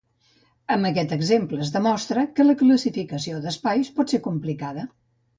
Amb aquest exemple es demostra que la classificació d'espais pot ser complicada.